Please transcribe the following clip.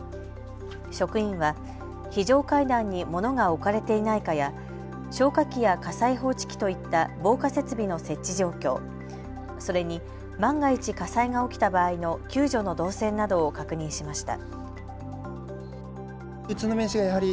職員は非常階段に物が置かれていないかや消火器や火災報知器といった防火設備の設置状況、それに、万が一火災が起きた場合の救助の動線などを確認しました。